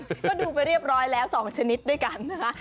ก็ดูไปเรียบร้อยแล้ว๒ชนิดด้วยกันนะคะ